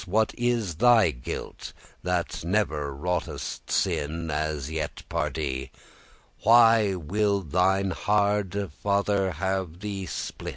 what is thy guilt, That never wroughtest sin as yet, pardie?* *par Dieu; by God Why will thine harde* father have thee spilt?